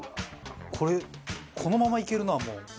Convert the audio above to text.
これこのままいけるなもう。